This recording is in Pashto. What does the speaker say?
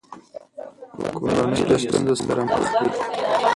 کورنۍ له ستونزو سره مخ دي.